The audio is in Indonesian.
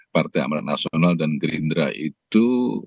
partai amanat nasional dan gerindra itu